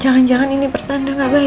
jangan jangan ini pertanda gak baik ya